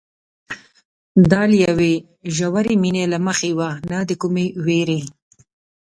دا له یوې ژورې مینې له مخې وه نه د کومې وېرې.